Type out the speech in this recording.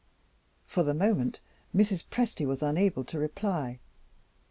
For the moment, Mrs. Presty was unable to reply.